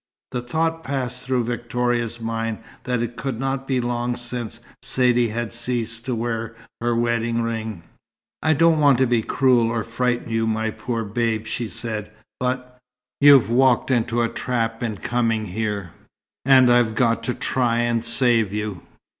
The thought passed through Victoria's mind that it could not be long since Saidee had ceased to wear her wedding ring. "I don't want to be cruel, or frighten you, my poor Babe," she said, "but you've walked into a trap in coming here, and I've got to try and save you.